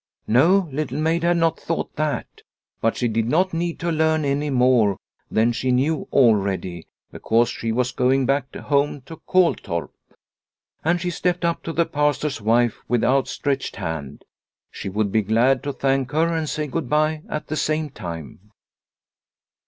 ' No, Little Maid had not thought that. But she did not need to learn any more than she The Daily Round 199 knew already, because she was going back home to Koltorp. And she stepped up to the Pastor's wife with outstretched hand. She would be glad to thank her and say good bye at the same time.